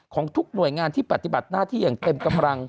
ของทุกหน่วยงานที่ปฏิบัติหน้าที่อย่างเต็มกำลัง